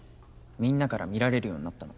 みんなから見られるようになったの。